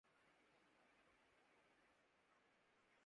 چمکا کے مجھے دیا بنا یا